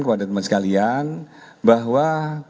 kepada teman sekalian bahwa